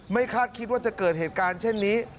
คาดคิดว่าจะเกิดเหตุการณ์เช่นนี้